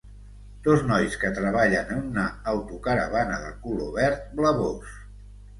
Dos nois que treballen en una autocaravana de color verd blavós.